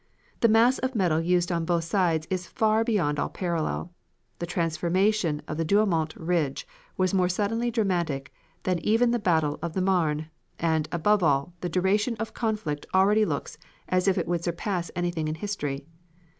The mass of metal used on both sides is far beyond all parallel; the transformation on the Douaumont Ridge was more suddenly dramatic than even the battle of the Marne; and, above all, the duration of the conflict already looks as if it would surpass anything in history.